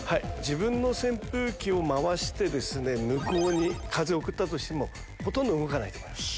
自分の扇風機を回して向こうに風を送ったとしてもほとんど動かないと思います。